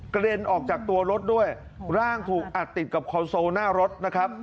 เด็นออกจากตัวรถด้วยร่างถูกอัดติดกับคอนโซลหน้ารถนะครับ